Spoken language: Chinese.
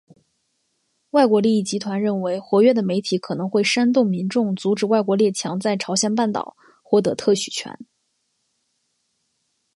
外国利益集团认为活跃的媒体可能会煽动民众阻止外国列强在朝鲜半岛获得特许权。